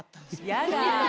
やだ。